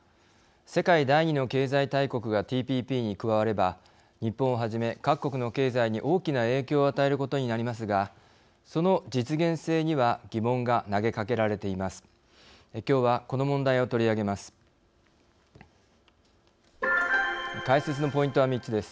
世界第二の経済大国がＴＰＰに加われば日本をはじめ各国の経済に大きな影響を与えることになりますがその実現性には疑問が投げかけられています。